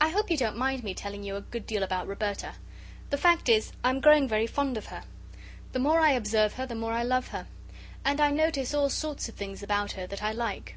I hope you don't mind my telling you a good deal about Roberta. The fact is I am growing very fond of her. The more I observe her the more I love her. And I notice all sorts of things about her that I like.